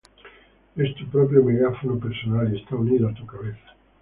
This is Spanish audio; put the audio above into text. Es tu propio megáfono personal y está unido a tu cabeza!